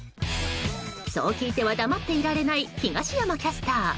そう聞いては黙っていられない東山キャスター。